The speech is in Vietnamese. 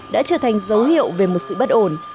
đã trở thành dấu hiệu về một sự bất ổn